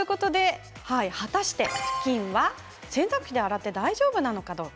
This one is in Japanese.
果たしてふきんは洗濯機で洗って大丈夫なのかどうか。